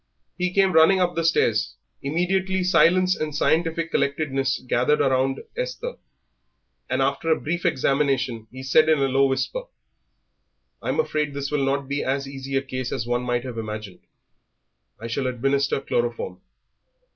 He came running up the stairs; immediately silence and scientific collectedness gathered round Esther, and after a brief examination he said, in a low whisper "I'm afraid this will not be as easy a case as one might have imagined. I shall administer chloroform."